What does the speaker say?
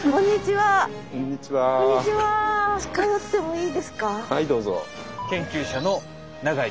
はい。